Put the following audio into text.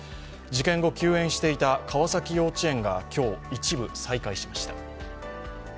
事件後休園していた川崎幼稚園が今日、一部再開しました。